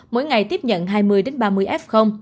mỗi ngày tiếp nhận hai mươi ba mươi f